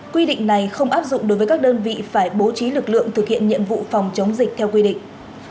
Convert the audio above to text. quy định này không áp dụng đối với các đơn vị phải bố trí lực lượng thực hiện nhiệm vụ phòng chống dịch theo quy định